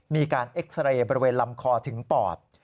มีการเอ็กซาเรย์บริเวณลำคอถึงปอด